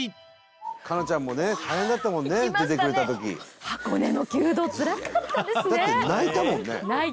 「可奈ちゃんもね大変だったもんね出てくれた時」「泣いたそう」